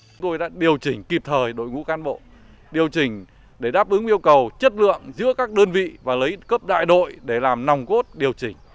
chúng tôi đã điều chỉnh kịp thời đội ngũ cán bộ điều chỉnh để đáp ứng yêu cầu chất lượng giữa các đơn vị và lấy cấp đại đội để làm nòng cốt điều chỉnh